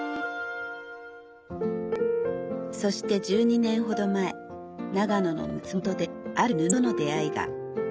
そして１２年ほど前長野の松本である布との出会いが。